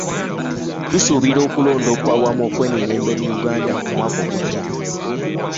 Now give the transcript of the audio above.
Tusuubira okulonda okw'awamu okw'emirembe mu Uganda omwaka ogujja.